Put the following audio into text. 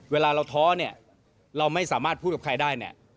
เวลาเราท้อเราไม่สามารถพูดกับใครได้